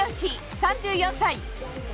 ３４歳。